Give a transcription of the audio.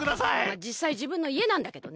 じっさいじぶんのいえなんだけどね。